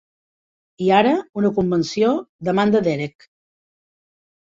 I ara, una convenció d'Amanda Derek!